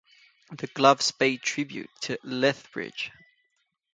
The gloves pay tribute to Lethbridge.